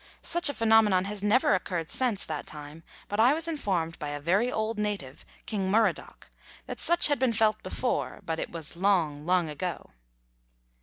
Such a phenomenon has never occurred since that time, but I was informed by a very old native, King Murradock, that such had been felt before, but it was " long, long ago."